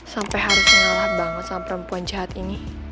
sampai harus kenal banget sama perempuan jahat ini